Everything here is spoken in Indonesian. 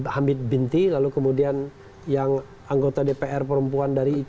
hamid binti lalu kemudian yang anggota dpr perempuan dari